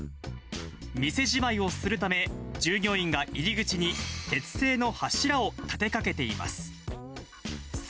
店じまいをするため、従業員が入り口に鉄製の柱を立てかけています。